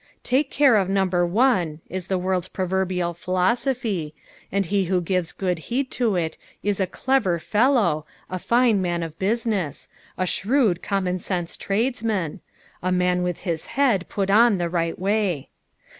" Take care of Number One," is the world's proverbial philosophy, and he who gives good heed to it is " a clever fellow," " a flue man of business," "a shrewd common aeose tradesman," "a nuin with hia head put on the right way."